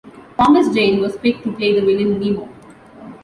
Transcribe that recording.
Thomas Jane was picked to play the villain Nemo.